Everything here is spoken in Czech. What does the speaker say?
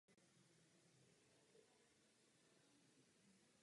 Co bude dál je součástí rozhodovacího procesu.